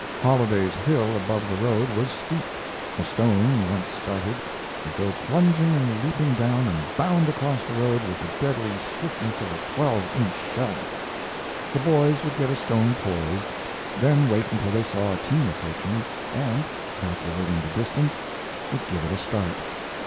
Holliday's Hill above the road was steep; a stone once started would go plunging and leaping down and bound across the road with the deadly swiftness of a twelve inch shell. The boys would get a stone poised, then wait until they saw a team approaching, and, calculating the distance, would give it a start.